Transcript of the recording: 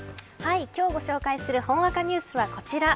今日ご紹介するほんわかニュースはこちら。